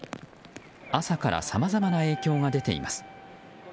朝からさまざまな影響が出ています。